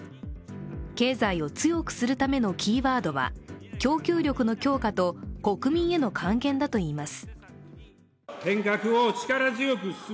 経済を強くするためのキーワードは供給力の強化と国民への還元だといいます。